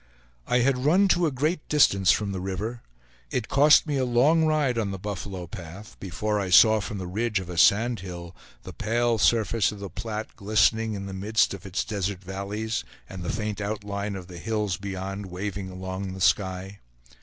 I had run to a great distance from the river. It cost me a long ride on the buffalo path before I saw from the ridge of a sand hill the pale surface of the Platte glistening in the midst of its desert valleys, and the faint outline of the hills beyond waving along the sky.